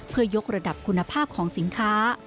เพื่อยกระดับคุณภาพของสินค้า